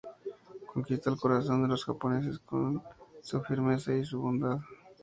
Conquista el corazón de los japoneses con su firmeza y su bondad.